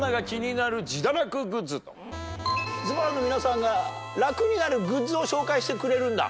ズボラの皆さんが楽になるグッズを紹介してくれるんだ？